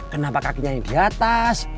kenapa kakinya di atas